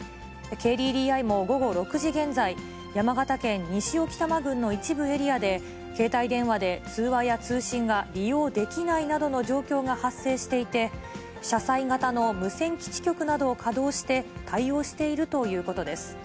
ＫＤＤＩも午後６時現在、山形県西置賜郡の一部エリアで、携帯電話で通話や通信が利用できないなどの状況が発生していて、車載型の無線基地局などを稼働して、対応しているということです。